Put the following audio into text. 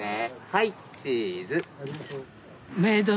はいチーズ。